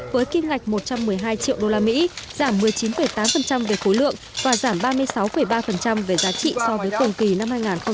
với kim ngạch một trăm một mươi hai triệu usd giảm một mươi chín tám về khối lượng và giảm ba mươi sáu ba về giá trị so với cùng kỳ năm hai nghìn hai mươi ba